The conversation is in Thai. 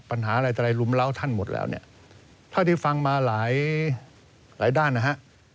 ปัญหาอะไรแต่อะไรรุมเล้าท่านหมดแล้วเนี่ยเท่าที่ฟังมาหลายหลายด้านนะฮะ